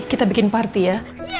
kita bikin party ya